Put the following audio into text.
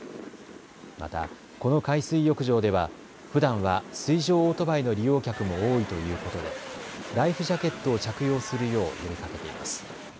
またこの海水浴場ではふだんは水上オートバイの利用客も多いということでライフジャケットを着用するよう呼びかけています。